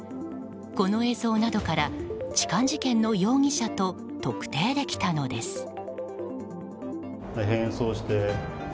この映像などから痴漢事件の容疑者と特定できたのです。